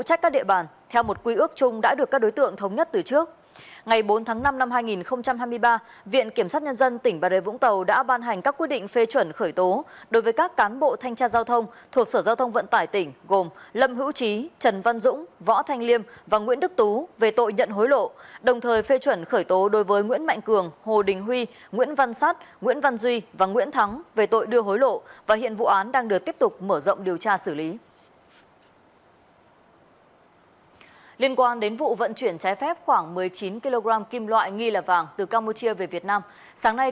công an tỉnh bà rệ vũng tàu đã ban hành các quy định phê chuẩn khởi tố đối với các cán bộ thanh tra giao thông thuộc sở giao thông vận tải tỉnh gồm lâm hữu trí trần văn dũng võ thanh liêm và nguyễn đức tú về tội nhận hối lộ đồng thời phê chuẩn khởi tố đối với nguyễn mạnh cường hồ đình huy nguyễn văn sát nguyễn văn duy và nguyễn thắng về tội đưa hối lộ và hiện vụ án đang được tiếp tục mở rộng điều tra xử lý